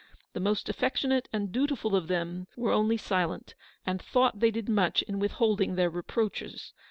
The most affectionate and dutiful of them were only silent, and thought they did much in withholding their reproaches.